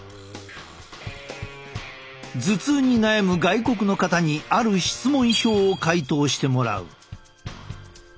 頭痛に悩む外国の方にある質問票を回答してもらう。